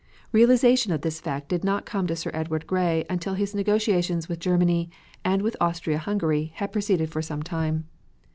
Realization of this fact did not come to Sir Edward Grey until his negotiations with Germany and with Austria Hungary had proceeded for some time.